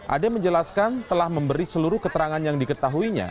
ade menjelaskan telah memberi seluruh keterangan yang diketahuinya